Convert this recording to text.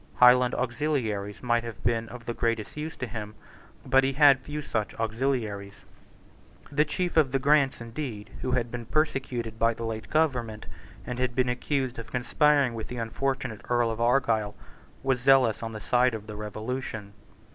Highland auxiliaries might have been of the greatest use to him: but he had few such auxiliaries. The chief of the Grants, indeed, who had been persecuted by the late government, and had been accused of conspiring with the unfortunate Earl of Argyle, was zealous on the side of the Revolution.